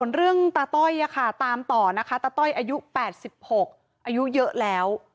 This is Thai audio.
เรื่องตาต้อยตามต่อนะคะตาต้อยอายุ๘๖อายุเยอะแล้ว